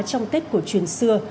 trong tết của truyền xưa